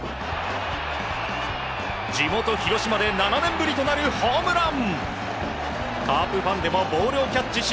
地元・広島で７年ぶりとなるホームラン。